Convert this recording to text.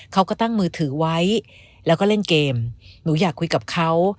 เขาก็ตั้งมือถือไว้แล้วก็เล่นเกมหนูอยากคุยกับเขา